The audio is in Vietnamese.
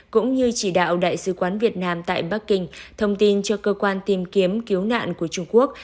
cũng như chỉ đạo đại sứ quán việt nam tại bắc kinh thông tin cho cơ quan tìm kiếm cứu nạn của trung quốc